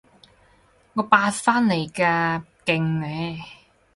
我八返嚟㗎，勁呢？